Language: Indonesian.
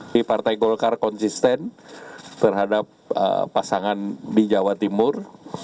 di partai golkar konsisten terhadap pasangan di jawa timur